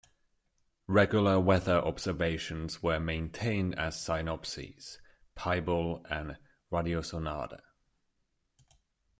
Regular weather observations were maintained as Synopsies, Pibal and Radiosonde.